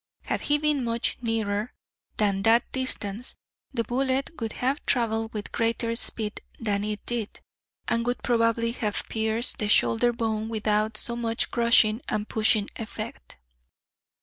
Had he been much nearer than that distance, the bullet would have travelled with greater speed than it did, and would probably have pierced the shoulder bone without so much crushing and pushing effect.